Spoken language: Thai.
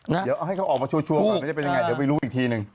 เดี๋ยวให้เขาออกมาชั่วก่อนไม่ได้เป็นอย่างไรเดี๋ยวไปรู้อีกทีหนึ่งถูก